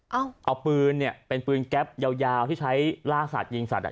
เอาเอาปืนเนี่ยเป็นปืนแก๊ปยาวยาวที่ใช้ล่าสัตว์ยิงสัตว